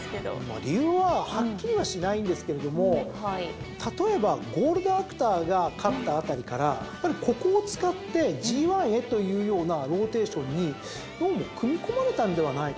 理由はっきりはしないんですけれども例えばゴールドアクターが勝ったあたりからやっぱりここを使ってＧⅠへというようなローテーションにどうも組み込まれたんではないかなぁと。